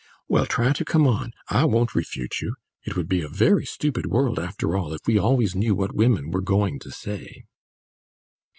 "Well, try to come on. I won't refute you. It would be a very stupid world, after all, if we always knew what women were going to say."